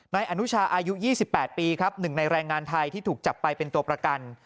นายอนุชาอายุ๒๘ปีครับหนึ่งในแรงงานไทยที่ถูกจับไปเป็นตัวประกัน